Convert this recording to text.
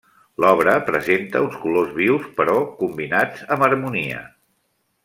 L'obra presenta uns colors vius però combinats amb harmonia.